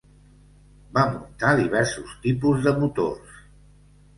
Va muntar diversos tipus de motors.